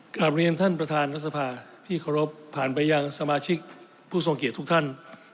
กลับเรียนท่านประธานรัฐสภาที่เคารพผ่านไปยังสมาชิกผู้ทรงเกียจทุกท่าน